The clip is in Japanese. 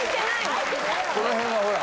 この辺がほら。